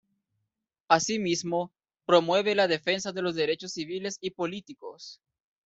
Asimismo, promueve la defensa de los derechos civiles y políticos.